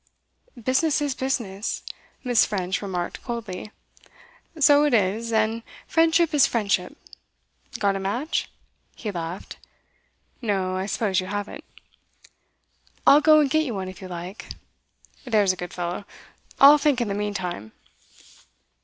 'Business is business,' Miss. French remarked coldly. 'So it is. And friendship is friendship. Got a match?' He laughed. 'No, I suppose you haven't.' 'I'll go and get you one if you like.' 'There's a good fellow. I'll think in the meantime.